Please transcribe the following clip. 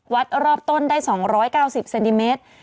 วัดรอบต้นได้๒๙๐เซนติเมตร